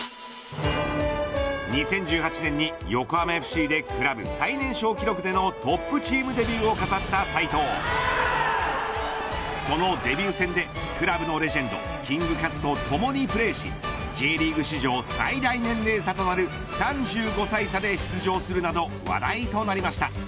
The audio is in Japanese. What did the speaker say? ２０１８年に横浜ＦＣでクラブ最年少記録でのトップチームデビューを飾った斉藤そのデビュー戦でクラブのレジェンドキングカズとともにプレーしＪリーグ史上、最大年齢差となる３５歳差で出場するなど話題となりました。